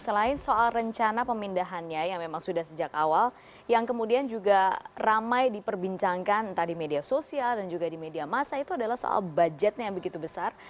selain soal rencana pemindahannya yang memang sudah sejak awal yang kemudian juga ramai diperbincangkan entah di media sosial dan juga di media masa itu adalah soal budgetnya yang begitu besar